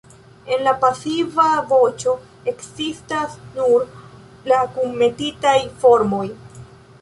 En la pasiva voĉo ekzistas nur la kunmetitaj formoj.